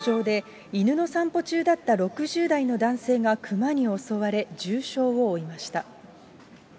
けさ、群馬県前橋市の路上で、犬の散歩中だった６０代の男性が熊に襲われ重傷を負いました。